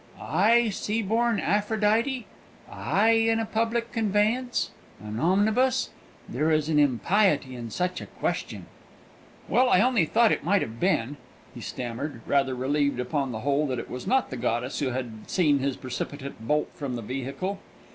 "I, sea born Aphrodite, I in a public conveyance, an omnibus? There is an impiety in such a question!" "Well, I only thought it might have been," he stammered, rather relieved upon the whole that it was not the goddess who had seen his precipitate bolt from the vehicle.